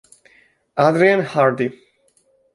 Adrien Hardy